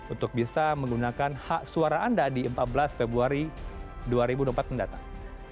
untuk bisa menggunakan hak suara anda di empat belas februari dua ribu dua puluh empat mendatang